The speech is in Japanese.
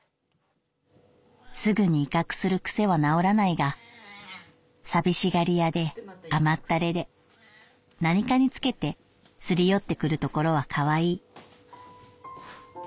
すぐに威嚇する癖は治らないが寂しがり屋で甘ったれで何かにつけてすり寄ってくるところは可愛い」。